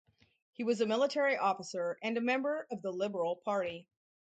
He was a military officer and a member of the Liberal Party.